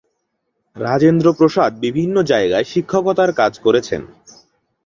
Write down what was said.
রাজেন্দ্র প্রসাদ বিভিন্ন জায়গায় শিক্ষকতার কাজ করেছেন।